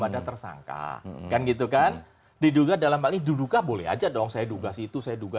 ada tersangka kan gitu kan diduga dalam hal ini duduk ah boleh aja dong saya juga situ saya juga